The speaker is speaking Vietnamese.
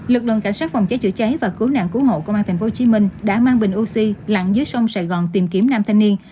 lực lượng cảnh sát phòng cháy chữa cháy và cứu nạn cứu hộ công an tp hcm đã mang bình oxy lặng dưới sông sài gòn tìm kiếm nam thanh niên